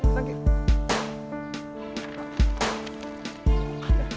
nanti aku kesan